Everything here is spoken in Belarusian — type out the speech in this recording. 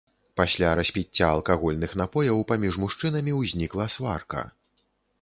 Пасля распіцця алкагольных напояў паміж мужчынамі ўзнікла сварка.